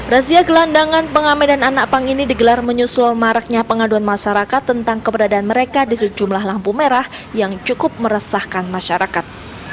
razia gelandangan pengamen dan anak pang ini digelar menyusul maraknya pengaduan masyarakat tentang keberadaan mereka di sejumlah lampu merah yang cukup meresahkan masyarakat